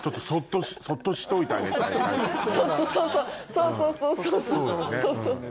そうそうそうそう。